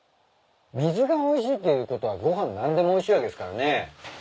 水がおいしいっていうことはご飯何でもおいしいわけですからね。